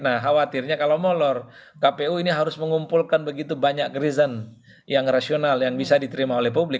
nah khawatirnya kalau molor kpu ini harus mengumpulkan begitu banyak grisan yang rasional yang bisa diterima oleh publik